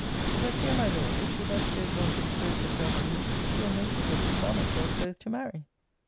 But here, my Lord, if she thus goes on to expose herself and me, she will make it a dishonour to us both to marry.